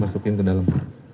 masukin ke dalam